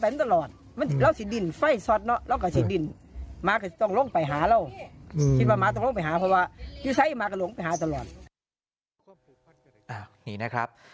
นี่นะครับ